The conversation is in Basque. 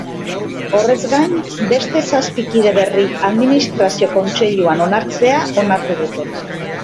Horrez gain, beste zazpi kide berri administrazio kontseiluan onartzea onartu dute.